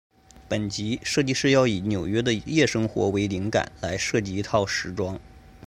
本集设计师要以纽约的夜生活为灵感来设计一套时装。